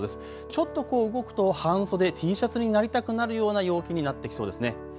ちょっとこう動くと半袖、Ｔシャツになりたくなるような陽気になってきそうですね。